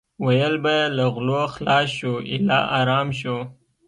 ویل به یې له غلو خلاص شو ایله ارام شو.